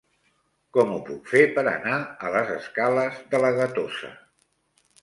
Com ho puc fer per anar a les escales de la Gatosa?